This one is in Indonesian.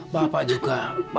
bapak juga kangen sama anak kita bu